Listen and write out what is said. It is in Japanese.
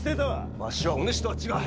わしは、お主とは違う。